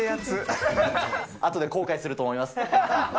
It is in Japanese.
あとで後悔すると思います。